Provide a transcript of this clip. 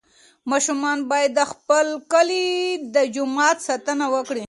ماشومان باید د خپل کلي د جومات ساتنه وکړي.